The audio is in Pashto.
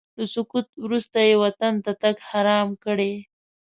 له سقوط وروسته یې وطن ته تګ حرام کړی.